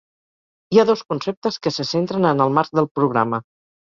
Hi ha dos conceptes que se centren en el marc del programa.